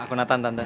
aku natan tante